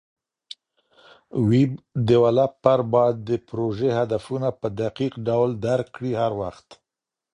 ویب ډیولپر باید د پروژې هدفونه په دقیق ډول درک کړي هر وخت.